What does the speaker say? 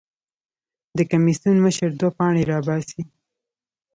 د کمېسیون مشر دوه پاڼې راباسي.